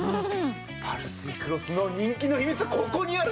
パルスイクロスの人気の秘密はここにあるんですね。